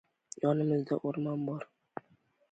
Yonimizda o‘rmon bor